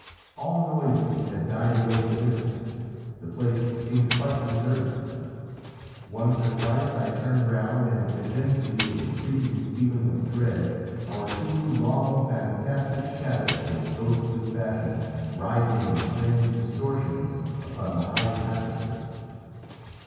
All noises had died away in the distance. The place seemed quite deserted. Once or twice I turned round, and could then see with a creeping feeling of dread our two long fantastic shadows in ghostly fashion writhing in strange distortions upon the high tapestry.